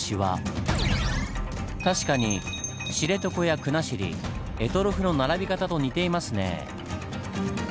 確かに知床や国後択捉の並び方と似ていますねぇ。